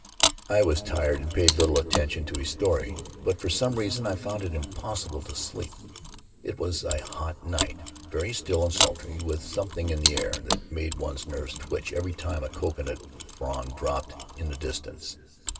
I was tired and paid little attention to his story, but for some reason I found it impossible to sleep. It was a hot night, very still and sultry, with something in the air that made one's nerves twitch every time a coconut frond dropped in the distance.